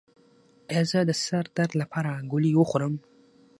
ایا زه د سر درد لپاره ګولۍ وخورم؟